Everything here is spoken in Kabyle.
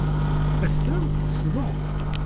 ass-a sḍeɣ.